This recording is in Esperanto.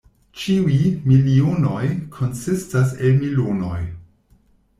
Ĉiuj milionoj konsistas el milonoj.